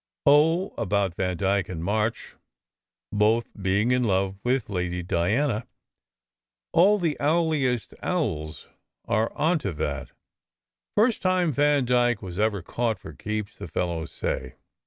"Oh, about Vandyke and March both being in love with Lady Diana. All the owliest owls are on to that. First time Vandyke was ever caught for keeps, the fellows say.